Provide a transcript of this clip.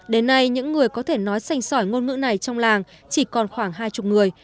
đến nay những người có thể nói sanh sỏi ngôn ngữ này trong làng chỉ còn khoảng hai chục người